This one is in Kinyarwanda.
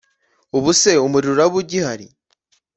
ubuse umurirro uraba ugihari